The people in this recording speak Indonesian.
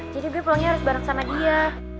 gue pulangnya harus bareng sama dia